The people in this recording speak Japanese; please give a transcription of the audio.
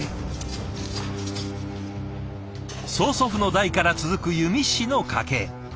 曽祖父の代から続く弓師の家系。